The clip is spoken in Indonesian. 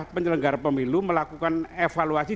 penyelenggara pemilu melakukan evaluasi